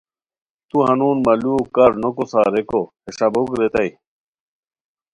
تو ہنون مہ لوؤ کارنوکوسا؟ ریکو ہے ݰابوک ریتائے